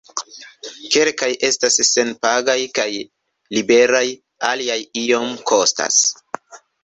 Kelkaj estas senpagaj kaj liberaj, aliaj iom kostas.